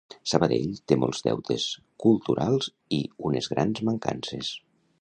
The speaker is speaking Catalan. Sabadell té molts deutes culturals i unes grans mancances